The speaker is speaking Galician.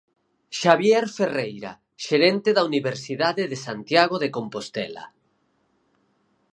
Xabier Ferreira, xerente da Universidade de Santiago de Compostela.